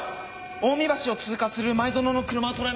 桜海橋を通過する前薗の車を捉えました。